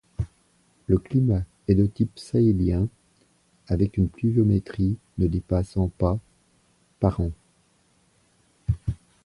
Le climat est de type sahélien avec une pluviométrie ne dépassant pas par an.